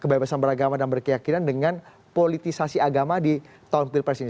kebebasan beragama dan berkeyakinan dengan politisasi agama di tahun pilpres ini